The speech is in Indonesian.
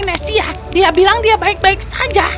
dia dari polinesia dia bilang dia baik baik saja